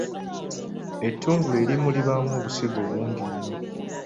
Ettungulu erimu libaamu obusigo bungi nnyo.